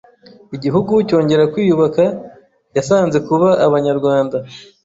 Igihugu cyongera kwiyubaka, yasanze kuba Abanyarwanda